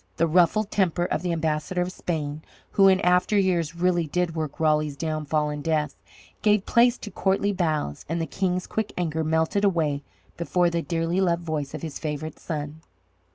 The ruffled temper of the ambassador of Spain who in after years really did work Raleigh's downfall and death gave place to courtly bows, and the King's quick anger melted away before the dearly loved voice of his favourite son.